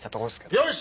よし！